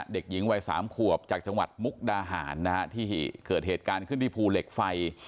เด็กหญิงวัย๓ขวบจากจังหวัดมุกดาหารนะฮะที่เกิดเหตุการณ์ขึ้นที่ภูเหล็กไฟ